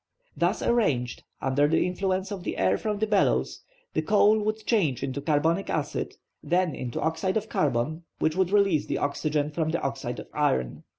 Thus arranged, under the influence of the air from the bellows, the coal would change into carbonic acid, then into oxide of carbon, which would release the oxygen from the oxide of iron.